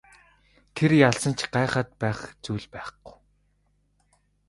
Тэр ялсан ч гайхаад байх зүйл байхгүй.